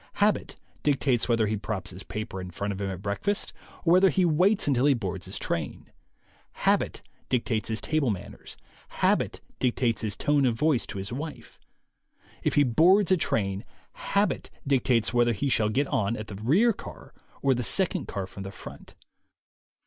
Habit dictates whether he props his paper in front of him at breakfast or whether he waits until he boards his train. Habit dictates his table manners. Habit dictates his tone of voice to his wife. If he boards a train, habit dictates whether he shall get on the rear car or the second car from the front.